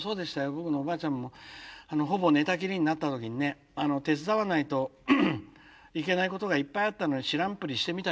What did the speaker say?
僕のおばあちゃんもほぼ寝たきりになった時にね手伝わないといけないことがいっぱいあったのに知らんぷりしてみたりね